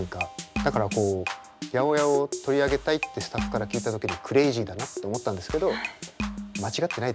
だからこう８０８を取り上げたいってスタッフから聞いた時にクレイジーだなと思ったんですけど間違ってないってことですね。